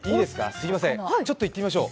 すみません、ちょっと行ってみましょう。